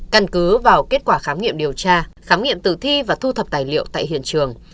căn cứ vào kết quả khám nghiệm điều tra khám nghiệm tử thi và thu thập tài liệu tại hiện trường